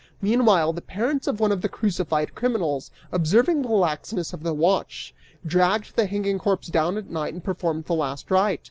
Meanwhile, the parents of one of the crucified criminals, observing the laxness of the watch, dragged the hanging corpse down at night and performed the last rite.